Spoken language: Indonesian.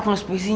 nasi rames doang